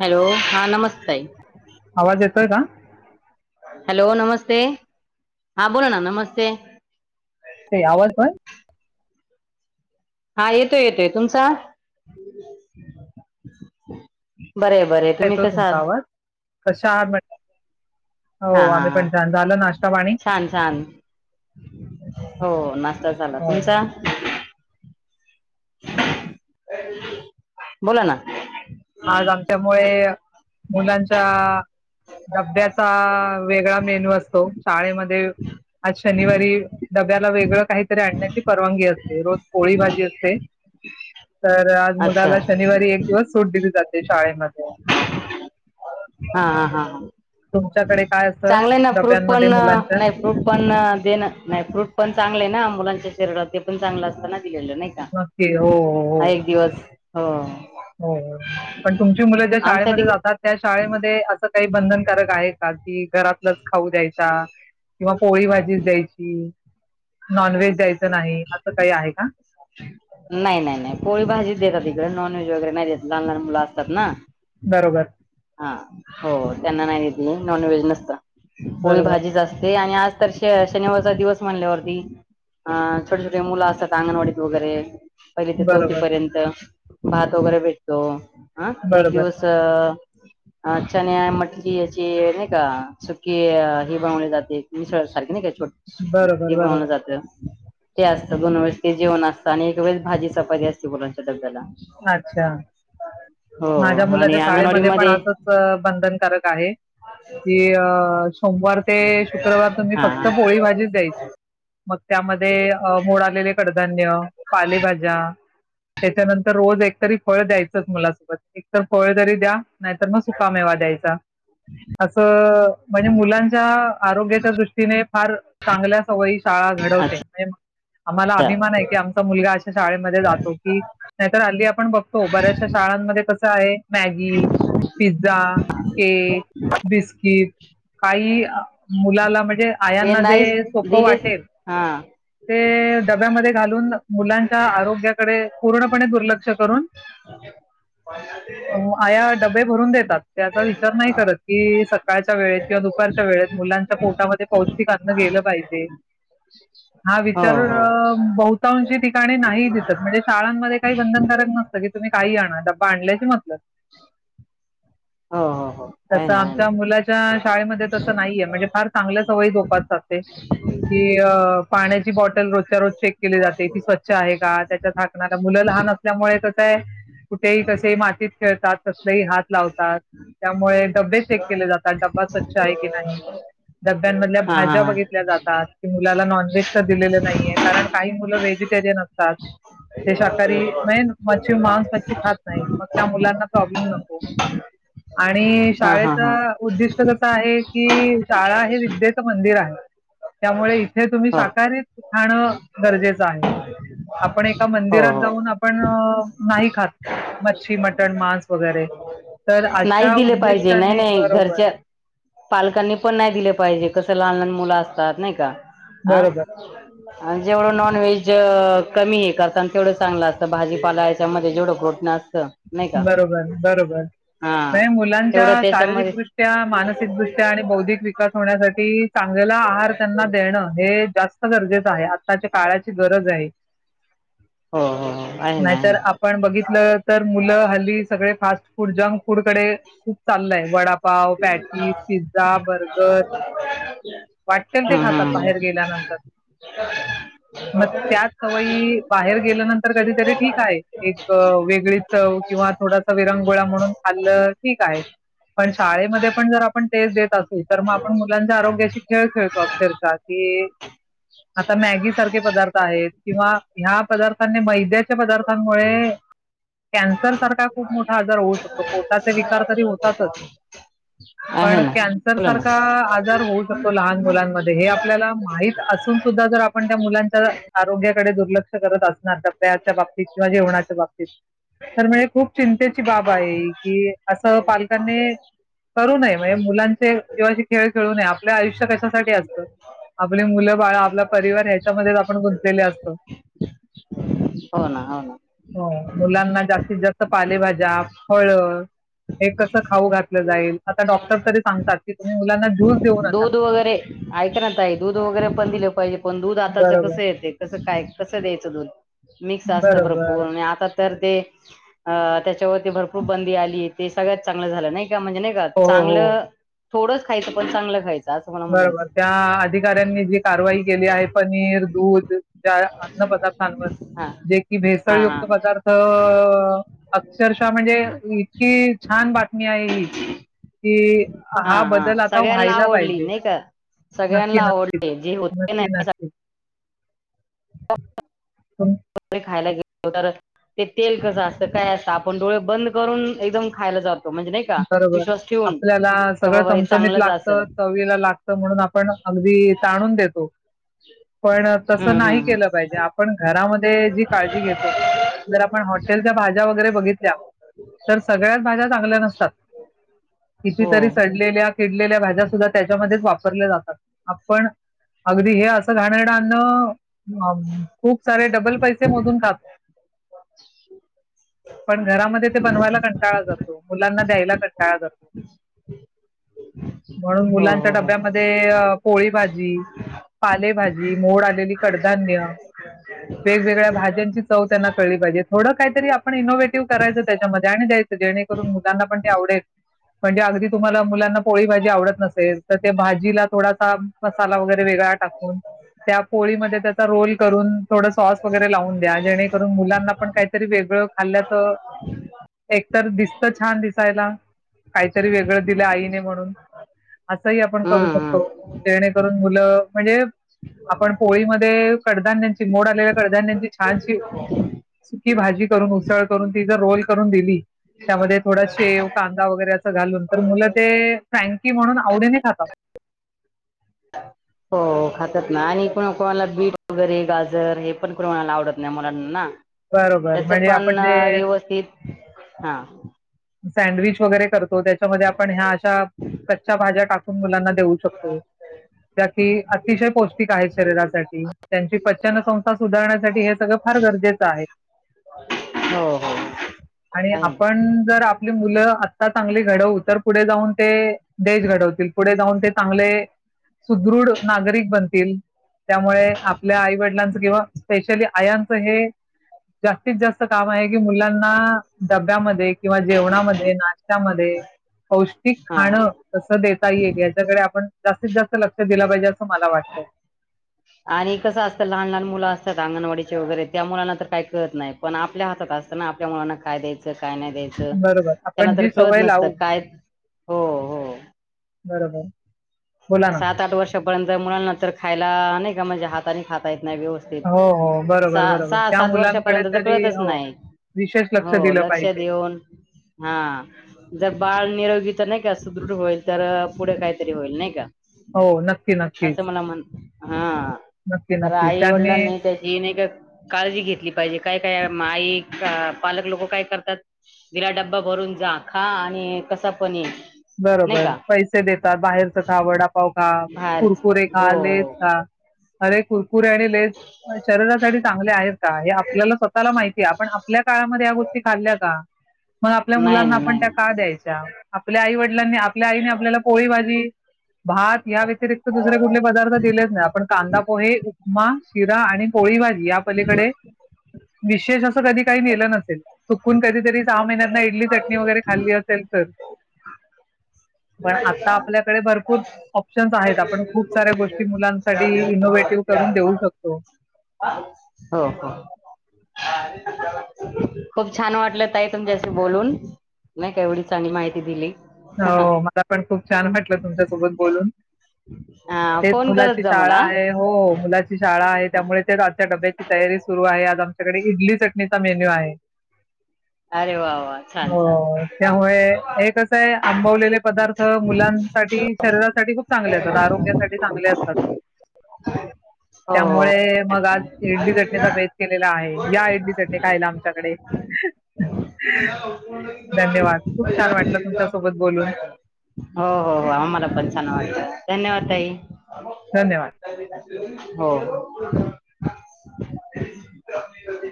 Hello हा नमस्ते आवाज येतोय का हॅलो नमस्ते हा बोला ना नमस्ते ताई आवाज पण हा येतोय येतोय तुमचा बरय बरय तुम्ही येतो कस तुमचा आहात आवाज कशा आहात मॅडम? हा हो हा आम्ही पण छान झालं नाश्ता पाणी छान छान हो नाश्ता झाला हो तुमचा बोला ना आज आमच्यामुळे मुलांच्या डब्याचा वेगळा मेन्यू असतो शाळेमध्ये आज शनिवारी डब्याला वेगळं काहीतरी आणण्याची परवानगी असते रोज पोळी भाजी असते [inaudible] तर आज अच्छा मुलाला शनिवारी एक दिवस सूट दिली जाते शाळेमध्ये हा हा हा हा. तुमच्याकडे काय? असतं चांगलं आहे ना फ्रूट पण डब्यांमध्ये मुलांच्या नाही फ्रूट पण देणं नाही फ्रूट पण चांगलं आहे ना मुलांचे भरडा ते पण चांगलं असताना दिलेलं नाही का नक्की हो हो हो हा एक दिवस हो. हो पण तुमची मुलं ज्या आमच्या शाळेमध्ये तिकडे जातात त्या शाळे डब्यामध्ये अस काही बंधनकारक आहे का? की घरातलाच खाऊ द्यायचा किंवा पोळी भाजीच द्यायची, नॉनव्हेज द्यायचं नाही, असं काही आहे का? नाही नाही नाही पोळी भाजी देतात इकडे नॉनव्हेज वगैरे नाही देतात लहान लहान मुलं असतात ना. बरोबर हा हो हो त्यांना नाही देती नॉनव्हेज नसत. पोळी बरोबर भाजीच असते आणि आज तर शनिवारचा दिवस म्हणल्यावरती छोटे छोटे मुलं असतात अंगणवाडीत वगैरे पहिली ते चौथी बरोबर पर्यंत भात वगैरे भेटतो. हं एक बरोबर दिवस अ अ चण्या मटकी याची नाही का सुकी ही बनवली जाते मिसळ सारखे नाही का. बरोबर ते बनलं बरोबर जात ते असतं दोन वेळेस ते जेवण असत. आणि एक वेळेस भाजी चपाती असते मुलांच्या डब्याला. अच्छा. हो माझ्या आणि मुलाच्या अंगणवाडी शाळेमध्ये पण मध्ये असंच बंधनकारक आहे. की अ सोमवार ते शुक्रवार तुम्ही हा फक्त पोळी भाजीच द्यायची. मग त्यामध्ये अ मोड आलेले कडधान्य, पालेभाज्या त्याच्यानंतर रोज एकतरी फळ द्यायचंच मलासोबत एकतर फळ तरी द्या नाही तर मग सुका मेवा द्यायचा. असं म्हणजे मुलांच्या आरोग्याच्या दृष्टीने फार चांगल्या सवयी शाळा घडवते, अच्छा आम्हाला अभिमान आहे की आमचा मुलगा शाळेमध्ये जातो की नाहीतर अली आपण बघतो बऱ्याचशा शाळांमध्ये कसं आहे. मॅगी, पिझ्झा, केक, बिस्किट, काही मुलाला म्हणजे हे आयांना नाहीच जे सोपं दिलेच वाटेल. हा. ते डब्यामध्ये घालून मुलांच्या आरोग्याकडे पूर्णपणे दुर्लक्ष करून [inaudible] आया डबे भरून देतात त्याचा विचार नाही करत की सकाळच्या वेळेत किंवा दुपारच्या वेळेत मुलांच्या पोटामध्ये पौष्टिक आन गेलं पाहिजे. हा [inaudible] विचार बहुतांशी ठिकाणी नाही दिसत म्हणजे शाळांमध्ये काही बंधनकारक नसतं की तुम्ही काही आणणार. आणल्यास मतलब. ह. तसं आमच्या मुलाच्या शाळेमध्ये तसं नाहीये म्हणजे फार चांगल्या सवयी जोपास असते. की पाण्याची बॉटल रोजच्या रोज चेक केली जाते ती स्वच्छ आहे का त्याच्या थाकणार मु लहान असल्यामुळे कसं आहे कुठेही, कसही मातीत खेळतात कसलाही हात लावतात. त्यामुळे डबे चेक केले जातात डब्बा स्वच्छ आहे की नाही? डब्यांमधल्या हा हा भाज्या बघितल्या जातात की मुलाला नॉनव्हेज तर दिलेलं नाहीये कारण काही मुलं व्हेज नसतात ते शाकाहारी मचछ मांस मचछ खातात मग त्या मुलांना प्रॉब्लेम नको. ह. आणि शाळेच उद्दिष्ट कस आहे की शाळा हे विद्येचं मंदिर आहे. त्यामुळे इथे तुम्ही हो शाकाहारीत खाणं गरजेचं आहे. आपण एका हो मंदिरात हो जाऊन आपण नाही खात. मच्छी, मटन, मांस, वगैरे तर नाही अशा दिले पाहिजे नाही उद्दिष्टाने नाही बरोबर, घरच्या पालकांनी पण नाही दिले पाहिजे कस लहान लहान मुलं असतात नाही का अ बरोबर, आणि जेवढं नॉन व्हेज कमी आहे करताना तेवढं चांगलं असतं भाजीपालाय त्याच्यामध्ये जेवं पोटं असतं नाही का बरोबर बरोबर हा मुलांच्या तेवढं त्याच्यामध्ये शारीरिकदृष्ट्या मानसिकदृष्ट्या आणि बौद्धिक विकास होण्यासाठी चांगलेला आहार त्यांना देणं हे जास्त गरजेचं आहे आत्ताच्या काळाची गरज आहे हो हो हो आहे ना आहे नाहीतर ना आपण बघितलं तर मुलं हल्ली सगळे फ फास्ट फूड जंक फूड कडे खू चाललय वडापाव पॅटीस पिझ्झा बर्गर वाटतेल ते हम्म खातात बाहेर गेल्यानंतर ह मग त्याच सवयी बाहेर गेल्यानंतर कधीतरी ठीक आहे एक वेगळीच किंवा थोडासा विरंगोळा म्हणून खाल्लं ठीक आहे पण शाळेमध्ये पण जर आपण टेस्ट देत असेल तर मग आपण मुलांच्या आरोग्याशी खेळ खेळतो अक्षरशः की ह आता मॅगी सारखे पदार्थ आहेत किंवा ह्या पदार्थांनी मैद्याच्या पदार्थांमुळे [inaudible] कॅन्सर सारखा खूप मोठा आजार होऊ शकतो पोटाचे विकार तरी होतातच आहे पण ना कॅन्सर बोला ना सारखा आजार होऊ शकतो लहान मुलांमध्ये हे आपल्याला माहित असून सुद्धा जर आपण त्या मुलांच्या आरोग्याकडे दुर्लक्ष करत असणार तर त्या त किंवा जेवणाच्या बाबतीत तर म्हणजे खूप चिंतेची बाब आहे की असं पालकांनी करू नये म्हणजे मुलांचे जीवा्चे खेळ खेळू नये आपलं आयुष्य कशासाठी असतं आपली मुलं बाळा आपला परिवार ह्याच्यामध्ये आपण गुंतलेले असतो हो ना हो ना हो, मुलांना जास्तीत जास्त पालेभाज्या फळ हे कसं खाऊ घातलं जाईल आता डॉक्टर तरी सांगतात की तुम्ही मुलांना ज्यूस देऊ नका दूध वगैरे ऐक ना ताई दूध वगैरे पण दिलं पाहिजे पण दूध आताच बरोबर कसं येते कस द्यायचं द म्त बरोबर भपूर आ तर [unintelligible] त्याच्यावरती भरपूर बंदी आली ते सगळ्यात चांगलं झालं नाही का म्हणजे नाही का हो हो हो चांगलं थोडंच खायचं पण चांगलं खायचं असं मला बरोबर त्या म्हणायचं अधिकाऱ्यांनी जी कारवाई केली आहे पनीर दूध अन्न ्वर हा जे की हा हा भेसळयुक्त पदार्थ अक्षरशः म्हणजे [unintelligible] इतकी छान बातमी आहे ही कि हा बदल आता सगळ्यांना व्हायला आवडली पाहिजे नाही का नक्की सगळ्यांना नक्कीच आवडले जे होते नक्की नाही नक्कीच खायला गे ते तेल कसं असतं काय असतं आपण डोळे बंद करून एकदम खायला जातो म्हणजे नाही का बरोबर विश्वास ठेवून आपल्याला का सगळं बाबा हे चमचमीत चांगलंच लागत असेल चवीला लागत म्हणून आपण अगदी अगदी ताणून देतो पण तस हम्म हम्म नाही हम्म केलं पाहिजे आपण घरामध्ये जी काळजी घेतो जर आपण हॉटेलच्या भाज्या वगैरे बघितल्या तर सगळ्याच भाज्या चांगल्या नसतात हो कितीतरी सडलेल्या किडलेल्या भाज्या सुद्धा त्याच्यामध्येच वापरल्या जातात आपण अगदी हे असं घाणेरडे अन्न खूप सारे डबल पैसे मधून खातात पण घरामध्ये ते बनवायला कंटाळा करतो म मुलांना द्यायला कंटाळा करतो म्हणून हो मुलांच्या हो हो डब्यामध्ये अआ पोळी भाजी पालेभाजी मोड आलेली कडधान्य वेगवेगळ्या भाज्यांची चव त्यांना कळली पाहिजे थोडं काहीतरी आपण इनोव्हेटिव्ह करायचं त्याच्यामध्ये आणि द्यायचं जेणेकरून मुलांना पण ते आवडेल म्हणजे अगदी तुम्हाला मुलांना पोळी भाजी आवडत नसेल तर त्या भाजीला थोडासा मसाला वगैरे वेग त्या पोळी मध्ये त्याचा रोल करून थोडा स्वास वगैरे लावून द्या जेणेकरून मुलांना पण काहीतरी वेगळ खाल्ल्याच एक तर दिसतं छान दिसायला काहीतरी वेगळं दिलं आईने म्हणून असंही आपण करू हम्म हम्म शकतो जेणेकरून मुलं म्हणजे आपण पोळीमध्ये कडधान्यांची मोड आलेल्या कडधान्यांची छानशी सुकी भाजी करून उसळ करून तिचा रोल करून दिली त्यामध्ये थोडा शेव कांदा वगैरेच असं घालून तर मुलं ते फ्रँकी म्हणून आवडीने खातात हा हो खातात ना आणि को कोणाला बीट वगैरे गाजर हे पण कोणाला आवडत नाही मुलांना बरोबर त्याच म्हणजे पण आपण जे व्यवस्थित हा सँडविच वगैरे करत हो त्याच्यामध्ये आपण ह्या अशा कच्च्या भाज्या टाकून मुलांना देऊ शकतो त्या की अतिशय पौष्टिक आहेत शरीरासाठी त्यांची पचनसंस्था सुधारण्यासाठी हे सगळं फार गरजेचं आहे हो हो आणि आहे ना आपण तर आपली मुलं आत्ता चांगली घडवू तर पुढे जाऊन ते देश घडवतील पुढे जाऊन चांगले सुदृढ नागरिक बनतील त्यामुळे आपल्या आईवडिलांचं किंवा स्पेशली आयांचं हे जास्तीत जास्त काम आहे की मुलांना डब्यामध्ये किंवा जेवणामध्ये नाश्त्यामध्ये पौष्टिक हा खाण कसं देता येईल याच्याकडे आपण जास्तीत जास्त लक्ष दिलं पाहिजे असं मला वाटतंय आणि कसं असतं लहान लहान मुलं अंगणवाडीचे वगैरे त्या मुलांना तर काय कळत नाही पण आपल्या हातात असताना आपल्या मुलांना काय द्यायच काय नाय द्यायच बरोबर त्यांना आपण तर जी कळत सवय नसत लावू काय हो हो बरोबर बोला ना सात आठ वर्षापर्यंत मुलांना तर खायला नाय का म्हणजे हाताने खाता येत नाय व्यवस्थित हो हो बरोबर सहा बरोबर सहा त्या सात मुलांकडे वर्षापर्यंत तर तरी कळतच हो नाय विशेष लक्ष हो दिलं पाहिजे लक्षऊन हा ज बाळ निरोगी तर नाय का सुदृढ होईल तर पुढे काहीतरी होईल नाय का हो नक्की नक्कीच असं मला म्हण हा नक्की तर नक्कीच आई त्यांनी वडलांना ही त्याची ही नाही का काळजी घेतली पाहिजे कायकाय आई पालक लोक काय करतात दिला डब्बा भरून जा खा आणि कसा पण ये नाही बरोबर का पैसे देतात बाहेरच खा वडा पाव खा बाहेरच कुरकुरे खा हो लेस हो खा अरे कुरकुरे आणि लेस शरीरासाठी चांगले आहेत का हे आपल्याला स्वतःला माहिती आहे आपण कामामध्ये या गोष्टी खाल्ल्या का मग आपल्या नाही मुलांना ना आपण नाही त्या का द्यायच्या आप आपल्या आई वडिलांनी आपल्या आईने आपल्याला पोळी भाजी भात या व्यतिरिक्त दुसरे कुठले पदार्थ दिलेच नाही आपण कांदा पोहे उपमा शिरा आणि पोळी भाजी या पलीकडे विशेष असं कधी काही दिलं नसेल चुकून कधीतरी सहा महिन्यातन इडली चटणी वगैरे खाल्ली असेल तर [unintelligible] पण आता आपल्याकडे भरपूर ऑप्शन्स आहेत आपण खूप साऱ्या गोष्टी मुलांसाठी इनोव्टिव्ह करून देऊ शकतो हो हो [inaudible] खूप छान वाटलं ताई तुमच्याशी बोलून नाय का एवढी चांगली माहिती दिली अव मला पण खूप छान वाटलं तुमच्या सोबत बोलून हा तेच फोन करत मुलाची जा मला शाळा आहे हो मुलाची शाळा आहे हा त्यामुळे तेच आजच्या डब्याची तयारी सुरू आहे आज आमच्याकडे इडली चटणीचा मेन्यू आहे अरे वा वा छान छान हो त्यामुळे एकच हे आंबवलेले पदार्थ मुलांसाठी शरीरासाठी खूप चांगले असतात आरोग्यासाठी चांगले असतात [inaudible] त्यामुळे मग आज इडली चटणीचा बेत केलेला आहे या इडली चटणी खायला आमच्याकडे धन्यवाद खूप छान वाटलं [inaudible] तुमच्यासोबत बोलून हो हो हो आम्हाला पण छान वाटलं धन्यवाद ताई धन्यवाद हो